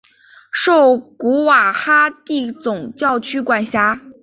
受古瓦哈蒂总教区管辖。